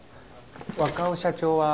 若尾社長は？